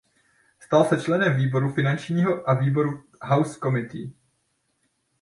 Stal se členem výboru finančního a výboru House Committee.